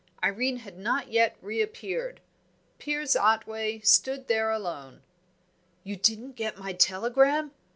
Irene had not yet reappeared. Piers Otway stood there alone. "You didn't get my telegram?"